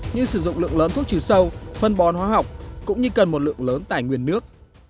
như sử dụng lượng lớn thuốc trừ sâu phân bón hóa học cũng như cần một lượng lớn tài nguyên nước